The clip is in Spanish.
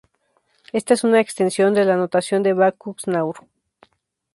Esta es una extensión de la Notación de Backus-Naur.